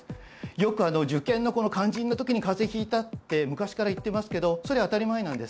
よく受験のこの肝心な時に風邪引いたって昔から言ってますけどそれ当たり前なんです。